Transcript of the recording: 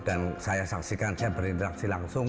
dan saya saksikan saya berinteraksi langsung